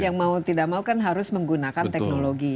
yang mau tidak mau kan harus menggunakan teknologi